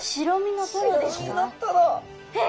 えっ！